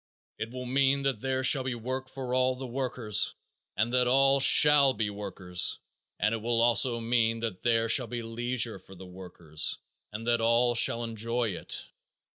It will mean that there shall be work for the workers and that all shall be workers, and it will also mean that there shall be leisure for the workers and that all shall enjoy it.